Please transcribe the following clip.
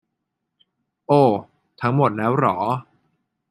โอ้ ทั้งหมดแล้วหรอ